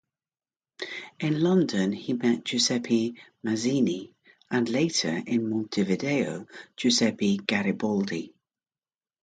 In London he met Giuseppe Mazzini, and later in Montevideo Giuseppe Garibaldi.